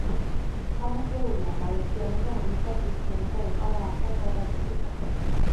სამუზეუმო გაერთიანება, რომელსაც ეს შენობა ეკავა, არსად არ გადადიოდა.